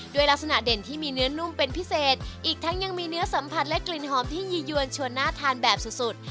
ลักษณะเด่นที่มีเนื้อนุ่มเป็นพิเศษอีกทั้งยังมีเนื้อสัมผัสและกลิ่นหอมที่ยี่ยวนชวนน่าทานแบบสุดสุด